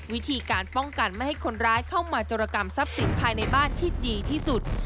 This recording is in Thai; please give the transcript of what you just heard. วิธีการป้องกันไม่ให้คนร้ายเข้ามาโจรกรรมทรัพย์สินภายในบ้านที่ดีที่สุด